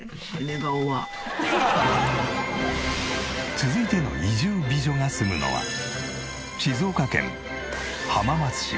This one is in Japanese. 続いての移住美女が住むのは静岡県浜松市。